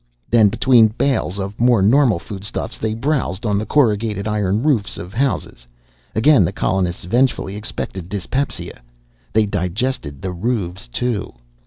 Then between bales of more normal foodstuffs they browsed on the corrugated iron roofs of houses. Again the colonists vengefully expected dyspepsia. They digested the roofs, too.